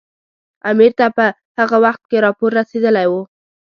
امیر ته په هغه وخت کې راپور رسېدلی وو.